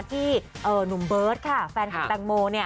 ที่หนุ่มเบิร์ตค่ะแฟนของแตงโม